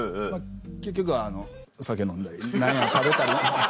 結局あの酒飲んだり何や食べたり。